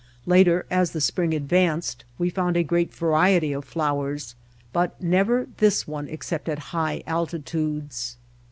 Later, as the spring ad vanced, we found a great variety of flowers, but never this one except at high altitudes.